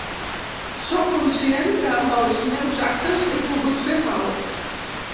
Soc conscient que amb els meus actes he pogut fer mal.